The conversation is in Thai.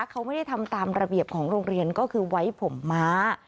เขาไม่ได้ทำตามระเบียบของโรงเรียนก็คือไว้ผมม้า